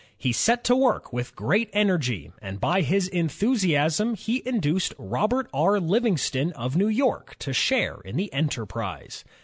He set to work with great energy, and by his enthusiasm he induced Robert R. Livingston of New York to share in the enterprise.